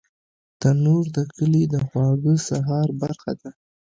تنور د کلي د خواږه سهار برخه ده